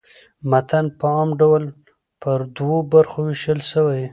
متن په عام ډول پر دوو برخو وېشل سوی.